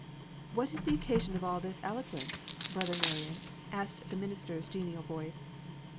"What's the occasion of all this eloquence, Brother Marion?" asked the minister's genial voice.